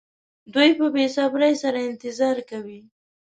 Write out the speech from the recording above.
دوی په بې صبرۍ سره انتظار کوي.